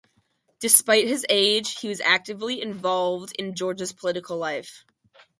Despite his age, he was actively involved in Georgia's political life.